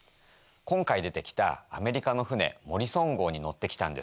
今回出てきたアメリカの船モリソン号に乗ってきたんですけど